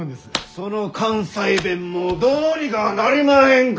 その関西弁もどうにかなりまへんか！